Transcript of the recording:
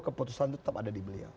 keputusan tetap ada di beliau